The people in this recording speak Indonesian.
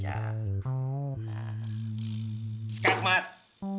carlo vitamin itu mau datang